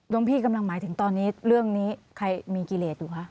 พี่กำลังหมายถึงตอนนี้เรื่องนี้ใครมีกิเลสอยู่คะ